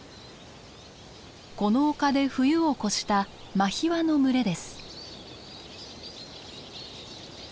この丘で冬を越したマヒワの群れです。